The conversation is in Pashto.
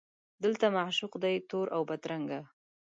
دلته معشوق دی تور اوبدرنګه